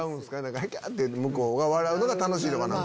「キャハハ」って向こうが笑うのが楽しいのかな。